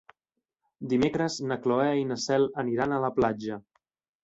Dimecres na Cloè i na Cel aniran a la platja.